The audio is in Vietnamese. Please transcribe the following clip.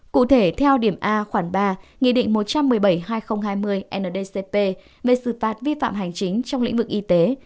cụ thể theo điểm a khoảng ba nghị định một trăm một mươi bảy hai nghìn hai mươi ndcp về sự phạt vi phạm hành chính trong lĩnh vực y tế